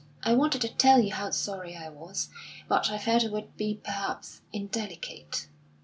I wanted to tell you how sorry I was; but I felt it would be perhaps indelicate."